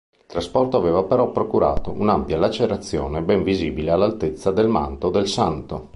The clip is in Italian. Il trasporto aveva però procurato un'ampia lacerazione ben visibile all'altezza del manto del Santo.